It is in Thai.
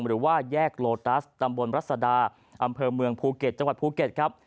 หรือว่าแยกโลตัสตำบลรัศดาอำเภอเมืองภูเก็ตจังหวัดภูเก็ตครับ